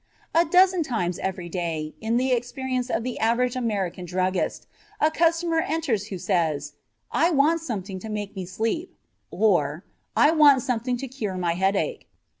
A dozen times every day in the experience of the average American druggist a customer enters who says, "I want something to make me sleep," or, "I want something to cure my headache."